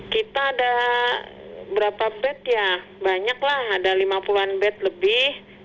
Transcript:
kita ada berapa bed ya banyak lah ada lima puluh an bed lebih